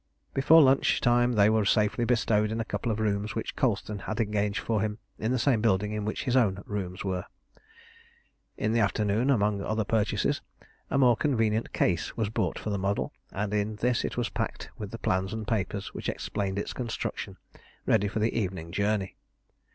Before lunch time they were safely bestowed in a couple of rooms which Colston had engaged for him in the same building in which his own rooms were. In the afternoon, among other purchases, a more convenient case was bought for the model, and in this it was packed with the plans and papers which explained its construction, ready for the evening journey.